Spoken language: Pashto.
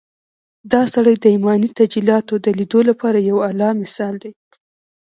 دا سړی د ايماني تجلياتود ليدو لپاره يو اعلی مثال دی.